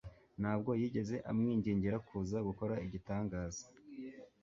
Ntabwo yigeze amwingingira kuza gukora igitangaza.